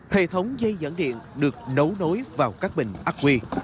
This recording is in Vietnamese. hệ thống dây dẫn điện được nấu nối vào các bình ắc quy